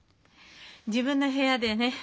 自分の部屋でね